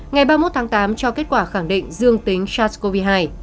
ngày ba mươi một tháng tám cho kết quả khẳng định dương tính sars cov hai